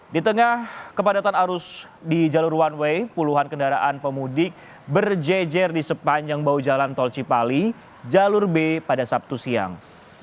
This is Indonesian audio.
di tengah kepadatan arus di jalur one way puluhan kendaraan pemudik berjejer di sepanjang bau jalan tol cipali jalur b pada sabtu siang